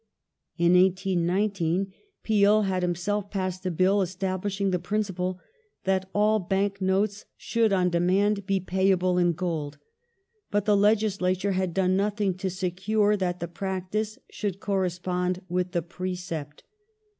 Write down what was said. In 1819 Peel had himself passed a Bill ^^^^'^\^' establishing the principle that all Bank notes should on demand 1844 be payable in gold, but the Legislature had done nothing to secui e that the practice should correspond with the precept.